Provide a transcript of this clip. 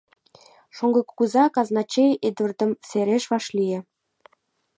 Шоҥго кугыза-казначей Эдвардым сереш вашлие.